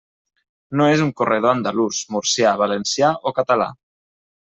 No és un corredor andalús, murcià, valencià o català.